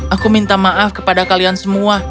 aku minta maaf kepada kalian semua